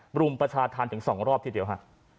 รุมประชาธรรมถึง๒รอบทีเดียวฮะ